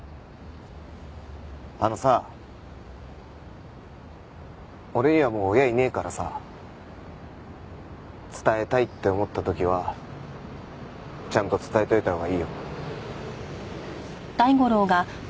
あのさ俺にはもう親いねえからさ伝えたいって思った時はちゃんと伝えといたほうがいいよ。